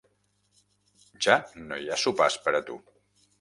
Ja no hi ha sopars per a tu.